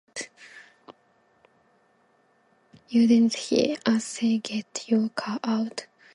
You didn't hear us say get your car out?